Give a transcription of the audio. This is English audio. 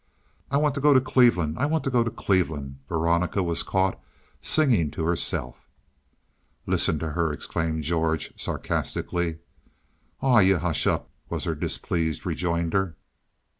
"I want to go to Cleveland, I want to go to Cleveland," Veronica was caught singing to herself. "Listen to her," exclaimed George, sarcastically. "Aw, you hush up," was her displeased rejoinder.